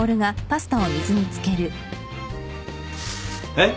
えっ？